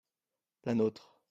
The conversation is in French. la nôtre.